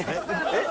えっ？